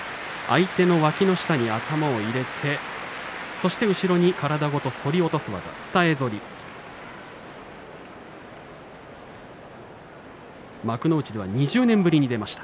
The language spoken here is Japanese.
相手のわきの下に頭を入れてそして後ろに体ごと反り落とす技伝え反りです。